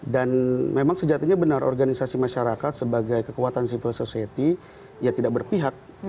dan memang sejatinya benar organisasi masyarakat sebagai kekuatan civil society tidak berpihak